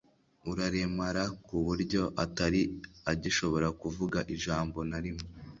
uraremara ku buryo atari agishobora kuvuga ijambo na rimwe